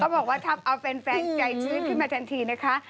บอกว่าทำเอาแฟนใจชื้นขึ้นมาทันทีนะคะ